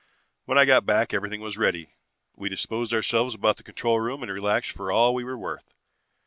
When I got back everything was ready. We disposed ourselves about the control room and relaxed for all we were worth.